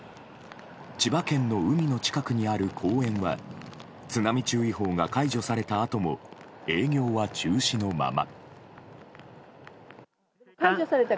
千葉県の海の近くにある公園は津波注意報が解除されたあとも営業は中止のまま。